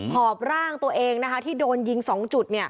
หอบร่างตัวเองที่โดนยิง๒จุด